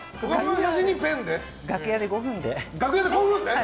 楽屋で５分で。